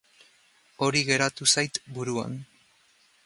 Hori geratu zait buruan.